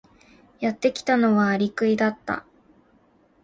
やってきたのはアリクイだった。